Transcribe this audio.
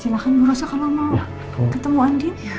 silahkan bu rosa kalo mau ketemu andi